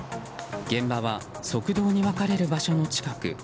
現場は側道に分かれる場所の近く。